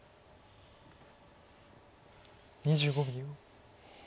２５秒。